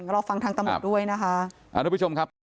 รอฟังทางตำรวจด้วยนะคะ